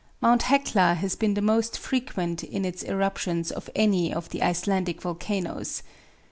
Mount Hecla has been the most frequent in its eruptions of any of the Icelandic volcanoes.